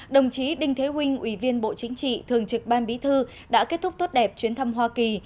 đồng chí đinh thế ủy viên bộ chính trị thường trực ban bí thư đã kết thúc tốt đẹp chuyến thăm hoa kỳ